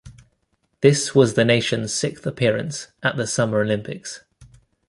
This was the nation's sixth appearance at the Summer Olympics.